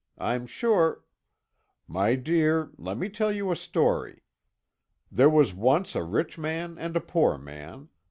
I'm sure " "My dear, let me tell you a story. There was once a rich man and a poor man.